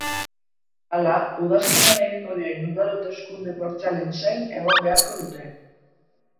Hala, udazkenean egingo diren udal hauteskunde partzialen zain egon beharko dute.